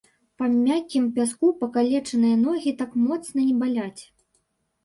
Па мяккім пяску пакалечаныя ногі так моцна не баляць.